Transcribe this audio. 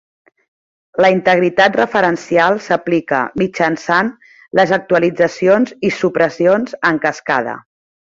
La integritat referencial s'aplica mitjançant les actualitzacions i supressions en cascada.